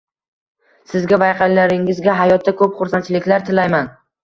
Sizga va yaqinlaringizga hayotda ko'p xursandchiliklar tilayman.